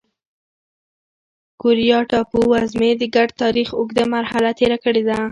کوریا ټاپو وزمې د ګډ تاریخ اوږده مرحله تېره کړې ده.